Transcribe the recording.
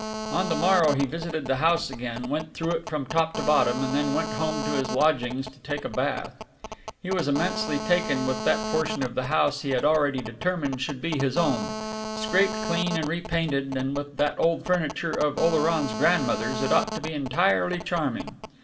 On the morrow he visited the house again, went through it from top to bottom, and then went home to his lodgings to take a bath. He was immensely taken with that portion of the house he had already determined should be his own. Scraped clean and repainted, and with that old furniture of Oleron's grandmother's, it ought to be entirely charming.